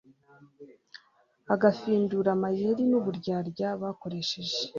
agafindura amayeri n'uburyarya bakoresheje